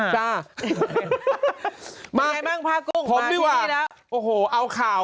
ผมดีกว่าโอ้โหเอาข่าว